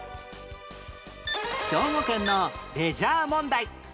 兵庫県のレジャー問題